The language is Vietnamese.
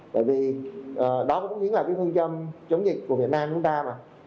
bởi vì đó cũng chính là cái phương châm chống dịch của việt nam chúng ta mà